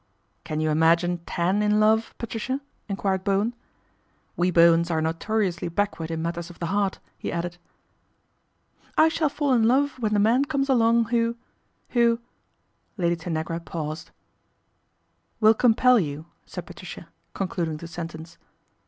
"Can you imagine Tan in love, Patricia i enquired Bowen. " We Bowens are notorious backward in matters of the heart," he added. " I shall fall in love when the man comes ale Lady Tanagra paused. 'Will compel you/' said Patricia, concradi sentence.